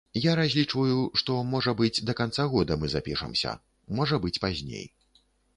Я разлічваю, што, можа быць, да канца года мы запішамся, можа быць пазней.